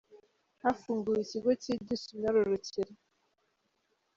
Hafunguwe ikigo cyigisha imyororokere